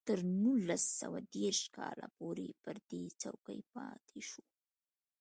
هغه تر نولس سوه دېرش کال پورې پر دې څوکۍ پاتې شو